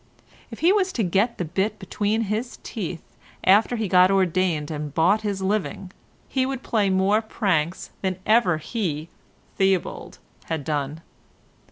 If he was to get the bit between his teeth after he had got ordained and bought his living, he would play more pranks than ever he, Theobald, had done.